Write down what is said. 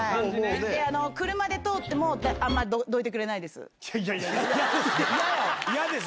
車で通っても、あんまどいてくれないです。